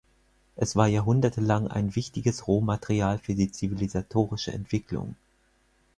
Es war jahrhundertelang ein wichtiges Rohmaterial für die zivilisatorische Entwicklung.